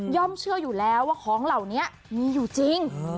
เชื่ออยู่แล้วว่าของเหล่านี้มีอยู่จริง